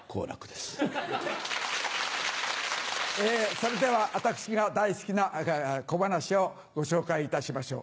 それでは私が大好きな小噺をご紹介いたしましょう。